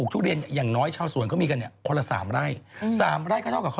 อ๋อถือว่าหรือมี๑๐ไล่ล่ะ